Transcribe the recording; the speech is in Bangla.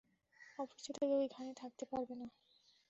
অপরিচিত কেউ এখানে থাকতে পারবে না।